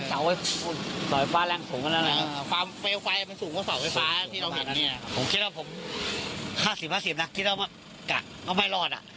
หนุ่มประสิบที่เรามักกักก็ไม่รอด